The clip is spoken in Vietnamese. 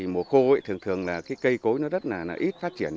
mùa khô thường thường cây cối đất ít phát triển